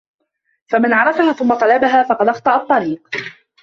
فَمَنْ عَرَفَهَا ثُمَّ طَلَبَهَا فَقَدْ أَخْطَأَ الطَّرِيقَ